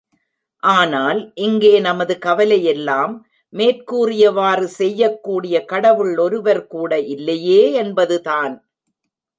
ஆனால் இங்கே நமது கவலையெல்லாம், மேற்கூறியவாறு செய்யக் கூடிய கடவுள் ஒருவர் கூட இல்லையே என்பதுதான்!